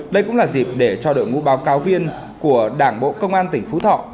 đây cũng là dịp để cho đội ngũ báo cáo viên của đảng bộ công an tỉnh phú thọ